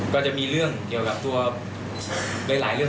ก็จะมีเรื่องเกี่ยวกับตัวหลายเรื่อง